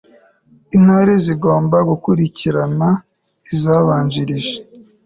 intore zigomba kuzirikana izazibanjirije